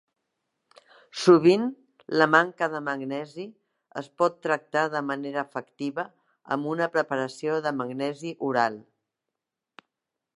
Sovint, la manca de magnesi es pot tractar de manera efectiva amb una preparació de magnesi oral.